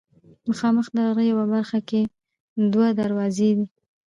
مخامخ د غره یوه برخه کې دوه دروازې دي.